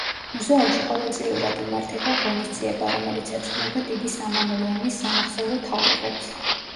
მუზეუმში ყოველწლიურად იმართება ღონისძიება, რომელიც ეძღვნება დიდი სამამულო ომის სამახსოვრო თარიღებს.